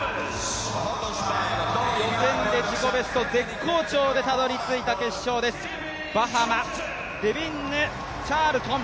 予選で自己ベスト、絶好調でたどりついた決勝です、バハマ、デビンヌ・チャールトン。